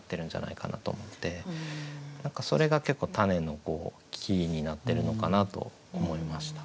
何かそれが結構たねのキーになってるのかなと思いました。